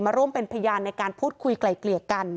ร่วมเป็นพยานในการพูดคุยไกล่เกลี่ยกัน